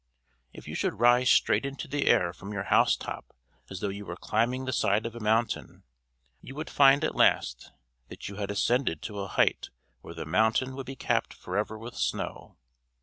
"If you should rise straight into the air from your housetop as though you were climbing the side of a mountain, you would find at last that you had ascended to a height where the mountain would be capped forever with snow.